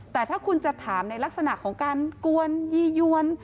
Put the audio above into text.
แต่ถ้าคุณจะถามในลักษณะของการกวนยียวน